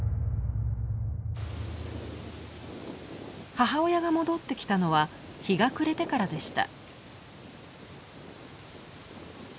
母親が戻ってきたのは日が暮れてからでした。